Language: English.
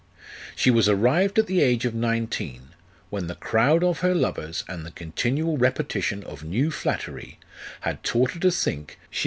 She was arrived at the age of nineteen, when the crowd of her lovers and the continual repetition of new flattery had taught her to think she could 1 Wood's History of Bath, vol.